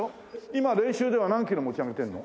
今練習では何キロ持ち上げてるの？